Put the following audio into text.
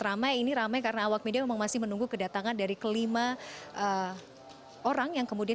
ramai ini ramai karena awak media memang masih menunggu kedatangan dari kelima orang yang kemudian